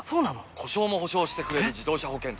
故障も補償してくれる自動車保険といえば？